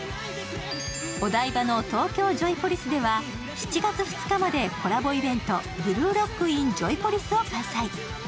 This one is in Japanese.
お台場の東京ジョイポリスでは７月２日まで、コラボイベント、「ブルーロックｉｎＪＯＹＰＯＬＩＳ」を開催。